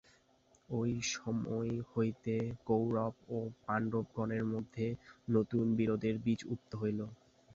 এই সময় হইতেই কৌরব ও পাণ্ডবগণের মধ্য নূতন বিরোধের বীজ উপ্ত হইল।